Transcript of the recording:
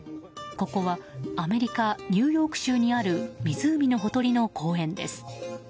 ここはアメリカ・ニューヨーク州にある湖のほとりの公園です。